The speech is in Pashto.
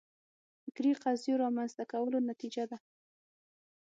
فکري قضیو رامنځته کولو نتیجه ده